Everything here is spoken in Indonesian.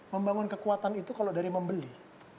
membangun kekuatan itu kalau dari membeli